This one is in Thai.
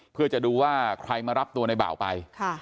เพื่อจะดูว่าใครมารับตัวในบ่าวไป